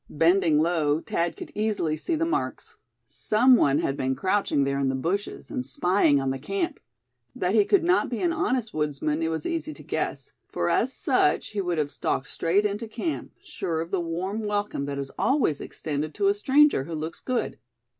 Bending low, Thad could easily see the marks. Some one had been crouching there in the bushes, and spying on the camp. That he could not be an honest woodsman it was easy to guess, for as such he would have stalked straight into camp, sure of the warm welcome that is always extended to a stranger who looks good.